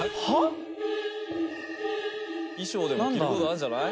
衣装でも着る事あるんじゃない？